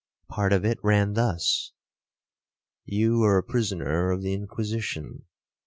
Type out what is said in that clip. Part of it ran thus: 'You are a prisoner of the Inquisition.